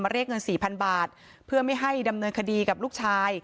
เรียกเงินสี่พันบาทเพื่อไม่ให้ดำเนินคดีกับลูกชาย